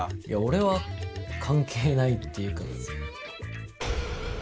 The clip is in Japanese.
いや俺は関係ないっていうかさ。